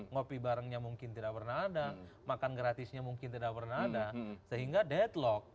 ngopi barengnya mungkin tidak pernah ada makan gratisnya mungkin tidak pernah ada sehingga deadlock